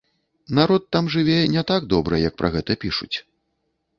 Народ там жыве не так добра, як пра гэта пішуць.